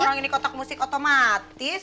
kalau ini kotak musik otomatis